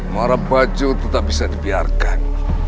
mara bacu tetap bisa dibiarkan